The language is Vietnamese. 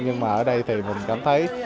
nhưng mà ở đây thì mình cảm thấy